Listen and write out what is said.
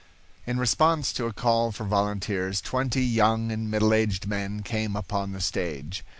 In response to a call for volunteers, twenty young and middle aged men came upon the stage.